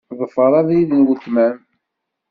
Ḍfeṛ abrid n weltma-m.